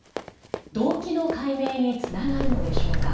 動機の解明につながるのでしょうか。